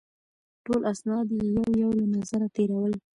ټول اسناد یې یو یو له نظره تېرول.